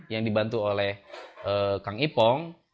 yang dibantu oleh kang ipong